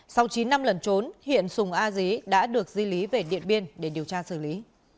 sau chín năm lần trốn hiện sùng a dí đã được di lý về điện biên để điều tra xử lý